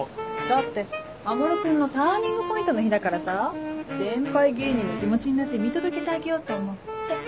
だって守君のターニングポイントの日だからさ先輩芸人の気持ちになって見届けてあげようと思って。